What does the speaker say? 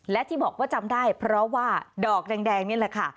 และที่บอกว่าจำได้เพราะว่าดอกแดงนี่แหละค่ะ